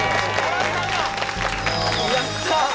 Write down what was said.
やった。